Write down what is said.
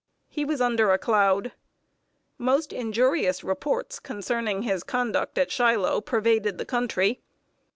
He was under a cloud. Most injurious reports concerning his conduct at Shiloh pervaded the country.